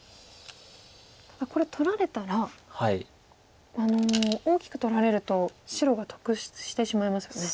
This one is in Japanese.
ただこれ取られたら大きく取られると白が得してしまいますよね。